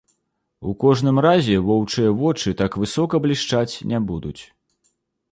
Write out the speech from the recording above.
У кожным разе воўчыя вочы так высока блішчаць не будуць.